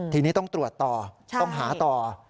ทีนี้ต้องตรวจต่อต้องหาต่อ